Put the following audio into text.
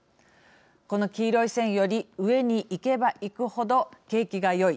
この黄色い線より上にいけばいくほど景気が良い。